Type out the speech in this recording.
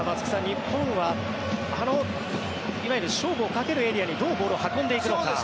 日本はいわゆる勝負をかけるエリアにどうボールを運んでいくのか。